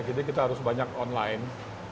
jadi kita harus banyak online